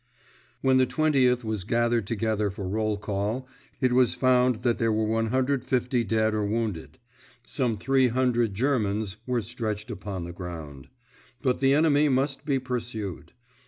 XIX When the Twentieth was gathered together for roll call, it was found that there were 150 dead or wounded. Some 300 Germans were stretched upon the ground. But the enemy must be pursued.